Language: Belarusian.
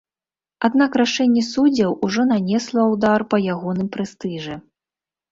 Аднак рашэнне суддзяў ужо нанесла ўдар па ягоным прэстыжы.